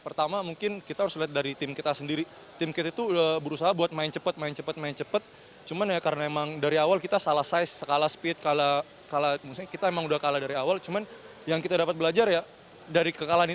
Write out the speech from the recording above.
kita memang sudah kalah dari awal tapi yang kita dapat belajar adalah dari kekalahan itu kita harus berusaha